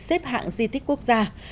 xếp hạng di tích quốc gia